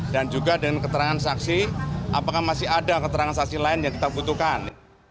dan juga dengan keterangan saksi apakah masih ada keterangan saksi lain yang kita butuhkan